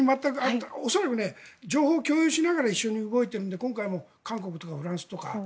恐らく情報共有しながら一緒に動いているので今回も韓国とかフランスとか。